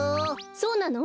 そうなの？